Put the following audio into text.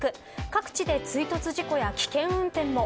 各地で追突事故や危険運転も。